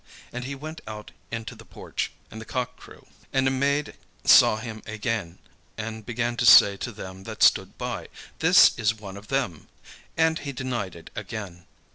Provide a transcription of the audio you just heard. And he went out into the porch; and the cock crew. And a maid saw him again, and began to say to them that stood by, "This is one of them." And he denied it again.